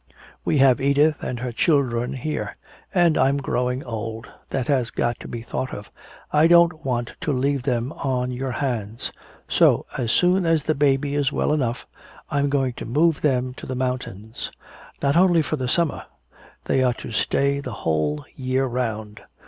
"We have Edith and her children here. And I'm growing old that has got to be thought of I don't want to leave them on your hands. So as soon as the baby is well enough, I'm going to move them up to the mountains not only for the summer they are to stay the whole year 'round.